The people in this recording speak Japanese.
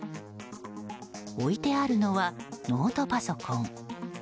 置いてあるのはノートパソコン。